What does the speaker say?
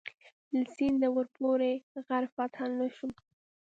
له سینده ورپورې غر فتح نه شو.